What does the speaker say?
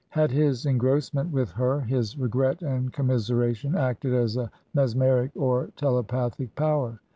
Had his engrossment with her, his regret and commiseration, acted as a mesmeric or telepathic power